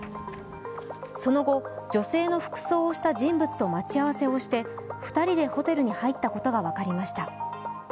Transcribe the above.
その後、女性の服装をした人物と待ち合わせをして２人でホテルに入ったことが分かりました。